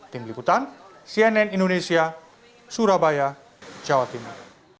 tim liputan cnn indonesia surabaya jawa timur